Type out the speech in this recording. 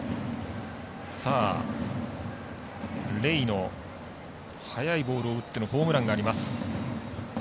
レイの速いボールを打ってのホームランがあります。